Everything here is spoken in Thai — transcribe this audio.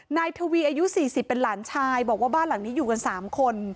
นายทวีอายุ๔๐เป็นหลานชายบอกว่าบ้านหลังนี้อยู่กัน๓คน